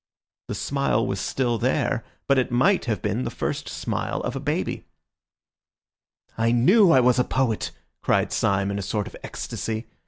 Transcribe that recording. The smile was still there, but it might have been the first smile of a baby. "I knew I was a poet," cried Syme in a sort of ecstasy.